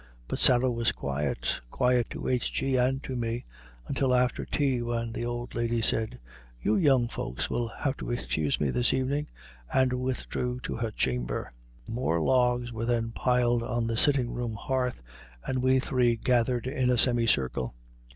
But Sarah was quiet, quiet to H. G. and to me, until after tea, when the old lady said, "You young folks will have to excuse me this evening," and withdrew to her chamber. More logs were then piled on the sitting room hearth, and we three gathered in a semi circle.